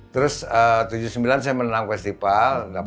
terus tujuh puluh sembilan saya menang festival